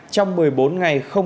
trong một mươi bốn ngày